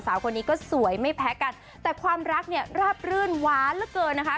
สาวคนนี้ก็สวยไม่แพ้กันแต่ความรักเนี่ยราบรื่นหวานเหลือเกินนะคะ